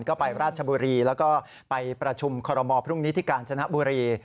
ก็ไปราชบุรีแล้วก็ไปประชุมคอรมอลพรุ่งนี้ที่กาญจนบุรี